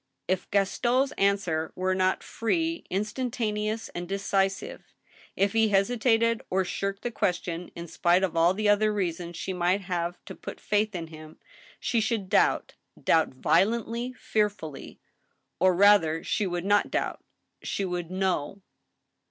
If Gaston's answer were not free, instantane ous, and decisive ; if he hesitated or shirked the question, in spite of all the other reasons she might have to put faith in him, she should doubt— doubt violently, fearfully ; or, rather, she would not doubt. She would know.